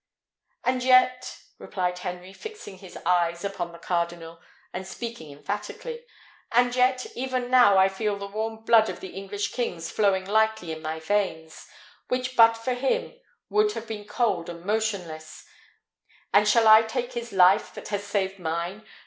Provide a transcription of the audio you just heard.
"And yet," replied Henry, fixing his eye upon the cardinal, and speaking emphatically; "and yet, even now I feel the warm blood of the English kings flowing lightly in my veins, which but for him would have been cold and motionless: and shall I take his life that has saved mine?